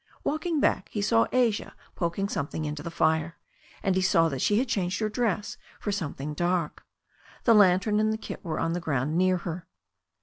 Walking back, he saw Asia poking something into the fire, and he saw that she had changed her dress for something dark. The lantern and the kit were on the ground near her.